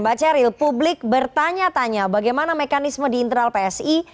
mbak ceril publik bertanya tanya bagaimana mekanisme di internal psi